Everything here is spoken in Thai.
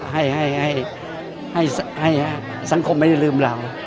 ให้สังคมไม่ได้ลืมเรา